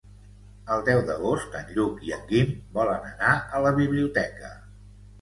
El deu d'agost en Lluc i en Guim volen anar a la biblioteca.